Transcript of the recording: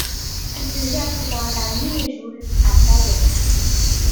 Elle se jette dans la Nuéjouls à Fayet.